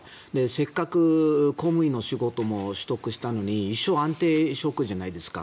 せっかく公務員の仕事も取得したのに一生安定職じゃないですか。